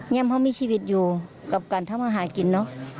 นี่ทำไม่มีชีวิตอยู่กับการทำอาหารกิจนะ